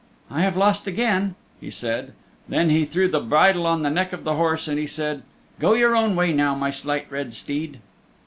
"I have lost again," he said. Then he threw the bridle on the neck of the horse and he said, "Go your own way now, my Slight Red Steed."